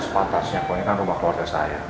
sepatasnya puan ini kan rumah keluarga saya